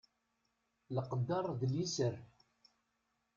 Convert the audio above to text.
Leqder d liser.